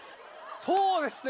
そうですね。